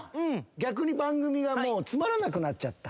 逆に番組がもうつまらなくなっちゃった。